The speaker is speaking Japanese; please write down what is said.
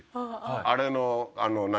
あれの何？